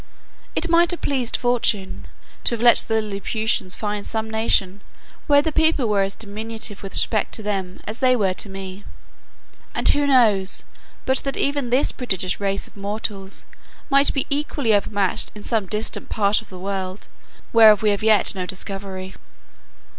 It might have pleased fortune, to have let the Lilliputians find some nation, where the people were as diminutive with respect to them, as they were to me. And who knows but that even this prodigious race of mortals might be equally overmatched in some distant part of the world, whereof we have yet no discovery.